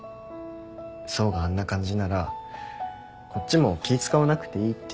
想があんな感じならこっちも気使わなくていいっていうか。